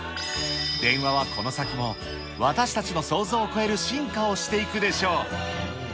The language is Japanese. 電話はこの先も、私たちの想像を超える進化をしていくでしょう。